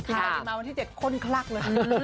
ไปกินมาวันที่๗ข้นคลักเลย